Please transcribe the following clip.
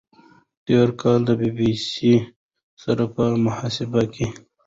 تېر کال د بی بی سي سره په مصاحبه کې